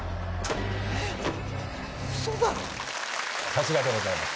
さすがでございます。